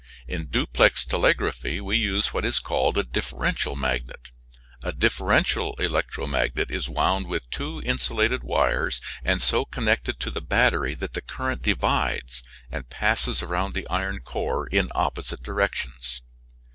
In duplex telegraphy we use what is called a differential magnet. A differential electromagnet is wound with two insulated wires and so connected to the battery that the current divides and passes around the iron core in opposite directions.